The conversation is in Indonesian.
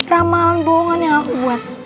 keramalan bohongan yang aku buat